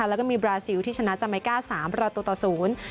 แล้วก็มีบราซิลที่ชนะจาเมก้าสามประตูต่อศูนย์